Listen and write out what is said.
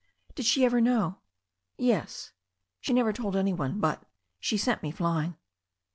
"Did she ever know?" "Yes. She never told any one — ^but — she sent mc flying."